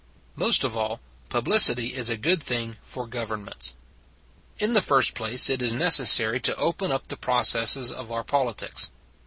Most of all, publicity is a good thing for governments. In the first place, it is necessary to open up the processes of our politics.